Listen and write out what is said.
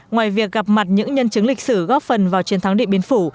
ngoài việc gặp mặt những nhân chứng lịch sử góp phần vào chiến thắng điện biên phủ